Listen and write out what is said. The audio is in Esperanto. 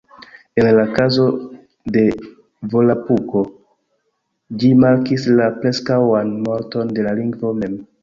En la kazo de Volapuko ĝi markis la preskaŭan morton de la lingvo mem